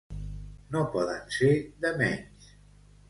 No poder ser de menys.